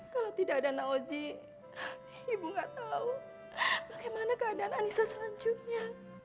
kalau tidak ada naoji ibu gak tahu bagaimana keadaan anissa selanjutnya